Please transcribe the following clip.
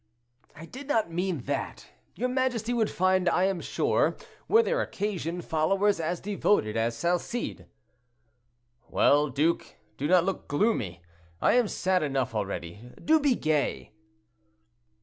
"I did not mean that; your majesty would find, I am sure, were there occasion, followers as devoted as Salcede." "Well, duke, do not look gloomy; I am sad enough already. Do be gay."